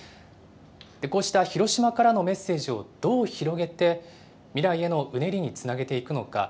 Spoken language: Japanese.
こうしたひろしまからのメッセージをどう広げて、未来へのうねりにつなげていくのか。